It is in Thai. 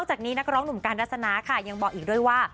จากนี้นักร้องหนุ่มการรัศนาค่ะยังบอกอีกด้วยว่า